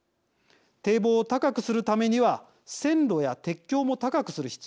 堤防を高くするためには線路や鉄橋も高くする必要があります。